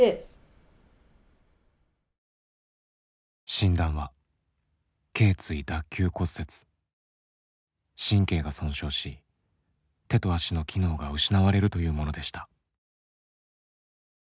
診断は神経が損傷し手と足の機能が失われるというものでした。